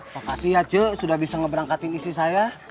makasih ya cuk sudah bisa ngeberangkatin isi saya